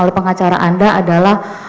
oleh pengacara anda adalah